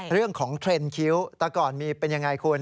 เรื่องของเทรนด์คิ้วแต่ก่อนมีเป็นยังไงคุณ